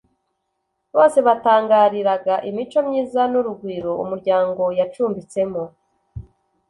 bose batangariraga imico myiza n’urugwiro umuryango yacumbitsemo